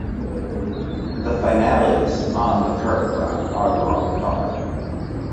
The finales on the curtain rod are the wrong color.